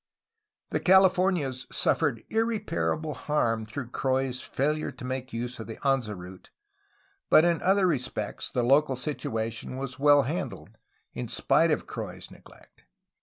324 A HISTORY OF CALIFORNIA The Calif ornias suffered irreparable harm through Croix's failure to make use of the Anza route, but in other respects the local situation was well handled, in spite of Croix's neglect.